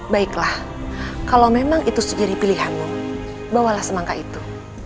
baiklah kalau memang itu jadi pilihanmu bawalah semangka itu